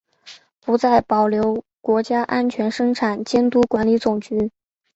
不再保留国家安全生产监督管理总局。